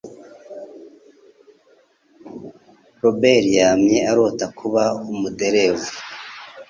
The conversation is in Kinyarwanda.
Robert yamye arota kuba umuderevu